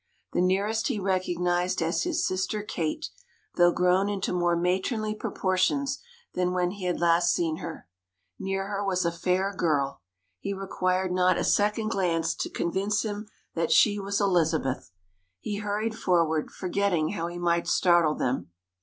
The nearest he recognised as his sister Kate, though grown into more matronly proportions than when he last had seen her. Near her was a fair girl. He required not a second glance to convince him that she was Elizabeth. He hurried forward, forgetting how he might startle them.